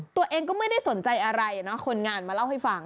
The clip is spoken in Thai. ตัวเองก็ไม่ได้สนใจอะไรนะคนงานมาเล่าให้ฟัง